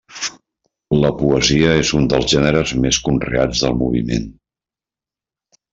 La poesia és un dels gèneres més conreats del moviment.